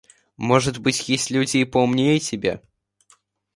Может быть, есть люди и поумнее тебя.